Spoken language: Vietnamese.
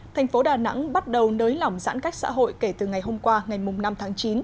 thành phố đà nẵng bắt đầu nới lỏng giãn cách xã hội kể từ ngày hôm qua ngày năm tháng chín